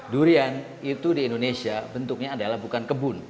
durian itu di indonesia bentuknya adalah bukan kebun